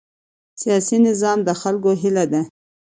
سیاسي نظام د خلکو هیله ده